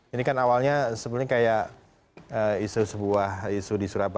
ini kan awalnya sebenarnya kayak isu sebuah isu di surabaya